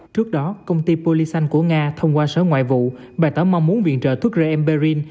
trước đó công ty polisan của nga thông qua sở ngoại vụ bài tỏ mong muốn viện trợ thuốc remperin